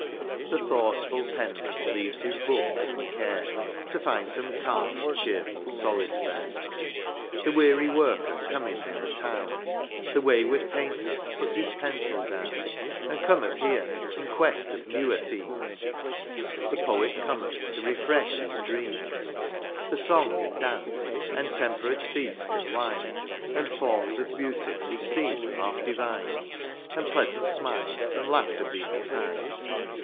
The thoughtful penman leaves his books and care To find some calm and cheerful solace there ; The weary worker cometh from the town ; The wayward painter puts his pencil down, And cometh here in quest of newer themes ; The poet cometh to refresh his dreams ; For song, and dance, and temperate feast and wine. And forms of beauty which seem half divine. And pleasant smiles, and laughter beaming eyes.